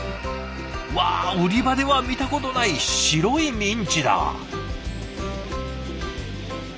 うわ売り場では見たことない白いミンチだ！